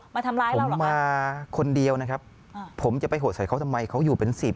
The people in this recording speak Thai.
มาทำร้ายผมมาคนเดียวนะครับผมจะไปโหดใส่เขาทำไมเขาอยู่เป็นสิบ